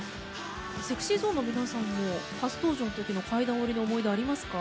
ＳｅｘｙＺｏｎｅの皆さんも初登場の時の階段下りの思い出ありますか？